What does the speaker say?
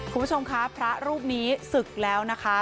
คุณผู้ชมคะพระรูปนี้ศึกแล้วนะคะ